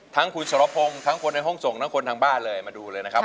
ทั้งคุณสรพงศ์ทั้งคนในห้องส่งทั้งคนทางบ้านเลยมาดูเลยนะครับ